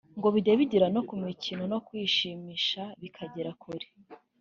ngo bijya bigera no mu mikino no kwishimisha bikagera kure